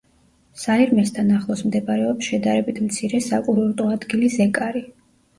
საირმესთან ახლოს მდებარეობს შედარებით მცირე საკურორტო ადგილი ზეკარი.